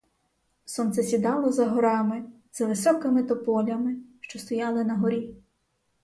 Сонце сідало за горами, за високими тополями, що стояли на горі.